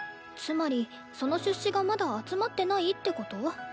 つまりその出資がまだ集まってないってこと？